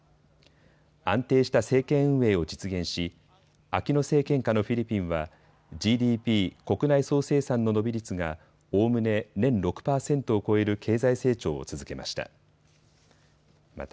安定した政権運営を実現しアキノ政権下のフィリピンはＧＤＰ・国内総生産の伸び率がおおむね年６％を超える経済成長を続けました。